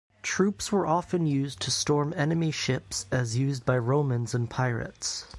Troops were often used to storm enemy ships as used by Romans and pirates.